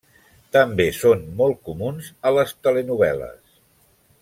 També són molt comuns a les telenovel·les.